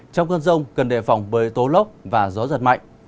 trong cơn rông cần đề phòng với tố lốc và gió giật mạnh